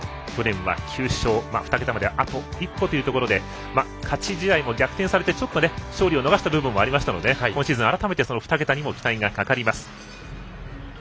去年は９勝２桁まであと一歩というところで勝ち試合を逆転されて勝利を逃した部分もあるので今シーズン２桁にも期待がかかります。